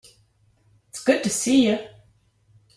It's good to see you.